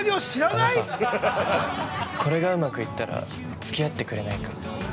これがうまくいったらつき合ってくれないか。